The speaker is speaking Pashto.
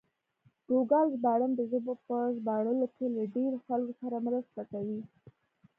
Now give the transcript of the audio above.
ګوګل ژباړن د ژبو په ژباړلو کې له ډېرو خلکو سره مرسته کوي.